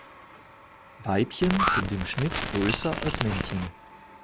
Weibchen sind im Schnitt größer als Männchen.